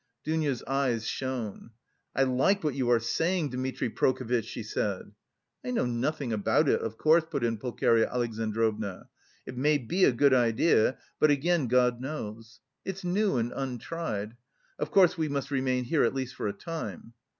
Dounia's eyes shone. "I like what you are saying, Dmitri Prokofitch!" she said. "I know nothing about it, of course," put in Pulcheria Alexandrovna, "it may be a good idea, but again God knows. It's new and untried. Of course, we must remain here at least for a time."